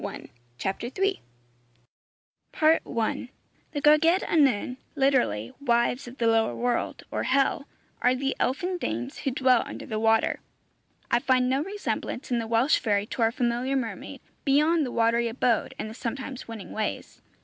The Gwragedd Annwn (literally, wives of the lower world, or hell) are the elfin dames who dwell under the water. I find no resemblance in the Welsh fairy to our familiar mermaid, beyond the watery abode, and the sometimes winning ways.